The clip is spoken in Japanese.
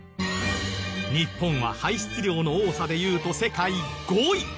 日本は排出量の多さでいうと世界５位。